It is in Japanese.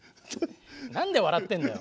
何で笑ってんだよ！